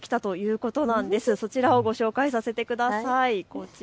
こちらをご紹介させてください。